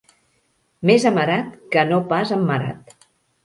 Més amarat que no pas emmarat.